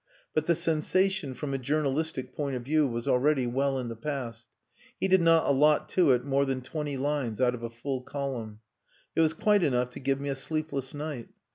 But the sensation from a journalistic point of view was already well in the past. He did not allot to it more than twenty lines out of a full column. It was quite enough to give me a sleepless night.